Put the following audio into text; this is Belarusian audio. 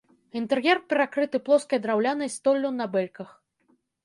Інтэр'ер перакрыты плоскай драўлянай столлю на бэльках.